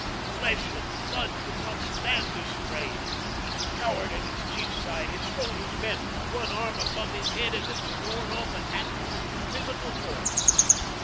Flesh and blood could not stand this strain. He cowered at his chief's side, his shoulders bent, one arm above his head, as if to ward off an actual physical force.